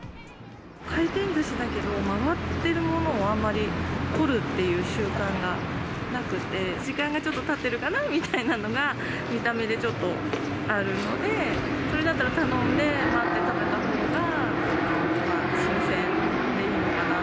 回転ずしだけど、回っているものをあんまり取るっていう習慣がなくて、時間がちょっとたってるかなみたいなのが、見た目でちょっとあるので、それだったら、頼んで待って食べたほうが新鮮でいいのかなと。